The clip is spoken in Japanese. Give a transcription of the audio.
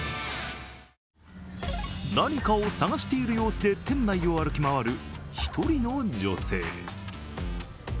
何かを探している様子で店内を歩き回る１人の女性。